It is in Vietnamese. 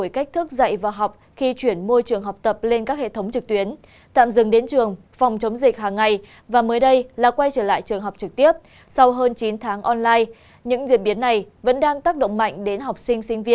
các bạn hãy đăng ký kênh để ủng hộ kênh của chúng mình nhé